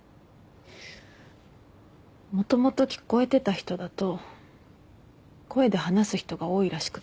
もともと聞こえてた人だと声で話す人が多いらしくて。